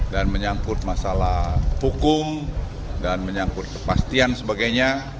dan menyangkut masalah hukum dan menyangkut kepastian sebagainya